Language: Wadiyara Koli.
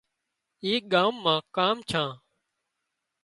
اِي ڳام مان ڪام ڇان